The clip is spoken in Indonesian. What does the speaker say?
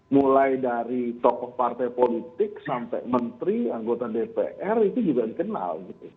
mulai dari tokoh partai politik sampai menteri anggota dpr itu juga dikenal